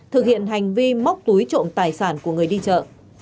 thực hiện hành vi móc túi trộm tài sản của người đi chợ